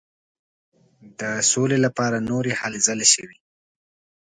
د سولي لپاره نورې هلې ځلې شوې.